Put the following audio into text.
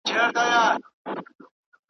د گلونو مېلمنه یې ښاخلې ستا پر لور کږېږی .